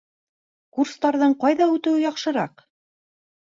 Курстарҙың ҡайҙа үтеүе яҡшыраҡ?